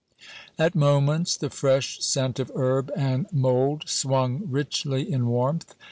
At moments the fresh scent of herb and mould swung richly in warmth.